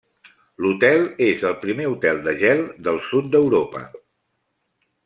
L'hotel és el primer hotel de gel del sud d'Europa.